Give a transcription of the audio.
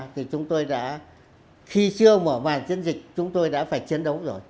thì chúng tôi đã khi chưa mở màn chiến dịch chúng tôi đã phải chiến đấu rồi